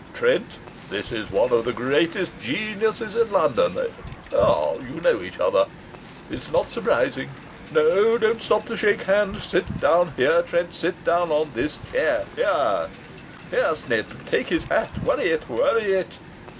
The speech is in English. Trent, this is one of the greatest geniuses in London.... Ah! You know each other? It's not surprising! No, don't stop to shake hands. Sit down here, Trent. Sit down on this chair.... Here, Snip, take his hat. Worry it! Worry it!